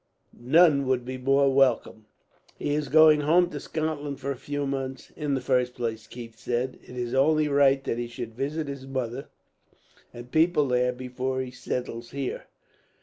None will be more welcome." "He is going home to Scotland for a few months, in the first place," Keith said. "It is only right that he should visit his mother and people there, before he settles here.